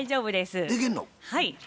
はい。